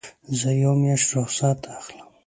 زه یوه میاشت رخصت اخلم.